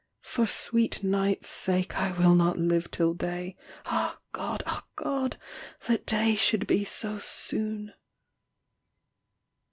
For sweet night's sake I will not live till day; Ah God, ah God, that day should be so soon.